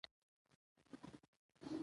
ډيپلومات د باور جوړونې رول لري.